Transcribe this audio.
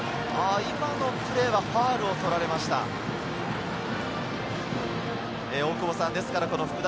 今のプレーはファウルを取られました、福田。